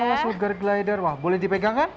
oh sugar glider wah boleh dipegang kan